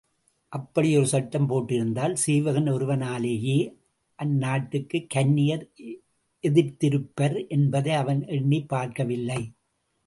அப்படி ஒரு சட்டம் போட்டிருந்தால் சீவகன் ஒருவனாலேயே அந்நாட்டுக் கன்னியர் எதிர்த்திருப்பர் என்பதை அவன் எண்ணிப் பார்க்கவில்லை.